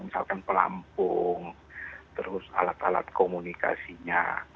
misalkan pelampung terus alat alat komunikasinya